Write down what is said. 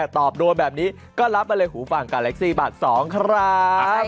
ตอบโดนแบบนี้ก็รับไปเลยหูฟังกาเล็กซี่บาท๒ครับ